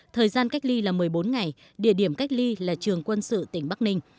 thời gian cách ly là một mươi bốn ngày địa điểm cách ly là trường quân sự tỉnh bắc ninh